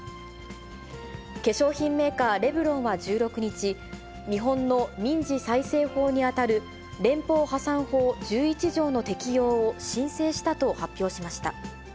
化粧品メーカー、レブロンは１６日、日本の民事再生法に当たる連邦破産法１１条の適用を申請したと発表しました。